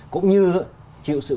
cũng như chịu sự